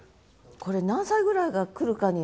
これ何歳ぐらいが来るかによって大体。